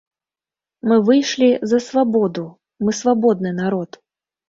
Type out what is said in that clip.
Мы выйшлі за свабоду, мы свабодны народ.